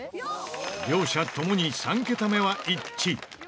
両者ともに３桁目は一致